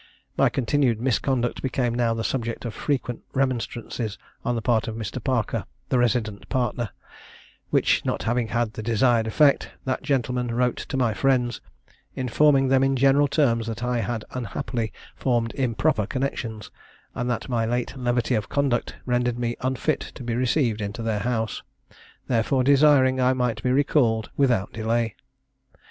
My continued misconduct became now the subject of frequent remonstrances on the part of Mr. Parker, the resident partner; which not having had the desired effect, that gentleman wrote to my friends, informing them in general terms that I had unhappily formed improper connexions, and that my late levity of conduct rendered me unfit to be received into their house; therefore desiring I might be recalled without delay.